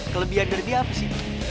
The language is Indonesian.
kelebihan dari dia apa sih